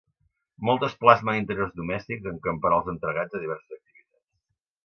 Moltes plasmen interiors domèstics, amb camperols entregats a diverses activitats.